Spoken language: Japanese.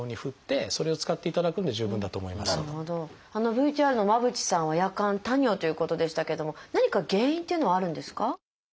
ＶＴＲの間渕さんは夜間多尿ということでしたけども何か原因っていうのはあるんですか？